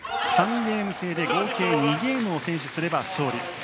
３ゲーム制で合計２ゲームを先取すれば勝利。